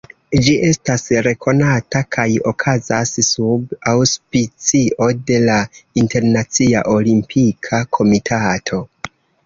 Ĝi estas rekonata kaj okazas sub aŭspicio de la Internacia Olimpika Komitato.